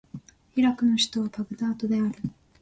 イラクの首都はバグダードである